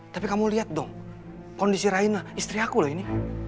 tapi kamu lihat dong kondisi raina istri aku loh ini